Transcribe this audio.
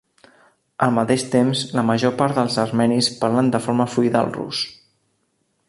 Al mateix temps la major part dels armenis parlen de forma fluida el rus.